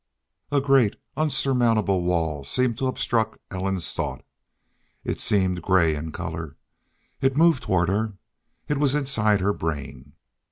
A great, unsurmountable wall seemed to obstruct Ellen's thought. It seemed gray in color. It moved toward her. It was inside her brain.